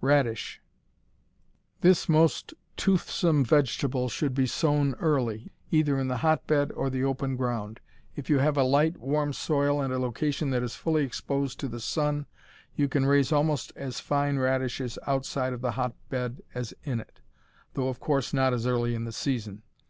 Radish This most toothsome vegetable should be sown early, either in the hotbed or the open ground. If you have a light, warm soil and a location that is fully exposed to the sun you can raise almost as fine radishes outside of the hotbed as in it, though of course not as early in the season.